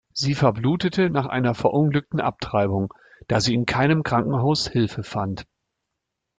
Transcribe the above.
Sie verblutete nach einer verunglückten Abtreibung, da sie in keinem Krankenhaus Hilfe fand.